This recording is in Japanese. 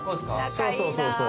そうそうそうそう。